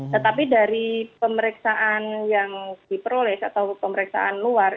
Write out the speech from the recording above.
tetapi dari pemeriksaan yang diperoleh atau pemeriksaan luar